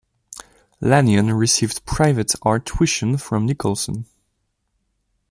Lanyon received private art tuition from Nicholson.